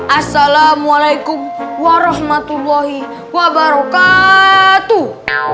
assalamualaikum warahmatullahi wabarakatuh